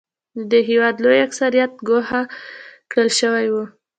د دې هېواد لوی اکثریت ګوښه کړل شوی و.